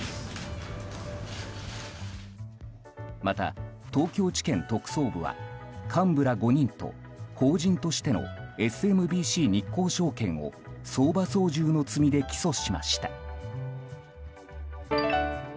また、東京地検特捜部は幹部ら５人と法人としてのＳＭＢＣ日興証券を相場操縦の罪で起訴しました。